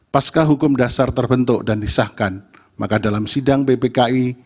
pasca hukum dasar terbentuk dan disahkan maka dalam sidang ppki